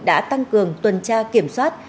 đã tăng cường tuần tra kiểm soát